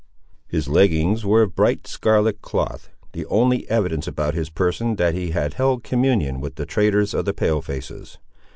His leggings were of bright scarlet cloth, the only evidence about his person that he had held communion with the traders of the Pale faces.